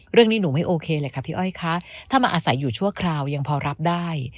หนูไม่โอเคเลยค่ะพี่อ้อยคะถ้ามาอาศัยอยู่ชั่วคราวยังพอรับได้